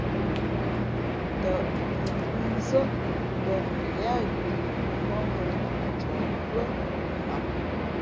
Tαʼ ngǔʼnzά mbᾱ mα yáá ghʉ̌ mάŋū ncɔ pʉ́ά ghǎm.